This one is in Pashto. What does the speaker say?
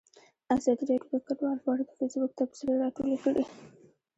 ازادي راډیو د کډوال په اړه د فیسبوک تبصرې راټولې کړي.